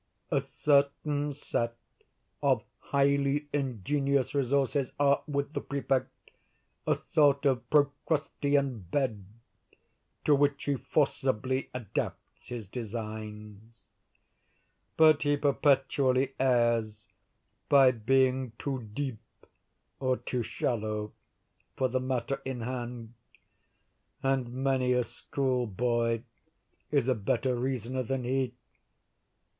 A certain set of highly ingenious resources are, with the Prefect, a sort of Procrustean bed, to which he forcibly adapts his designs. But he perpetually errs by being too deep or too shallow for the matter in hand; and many a schoolboy is a better reasoner than he.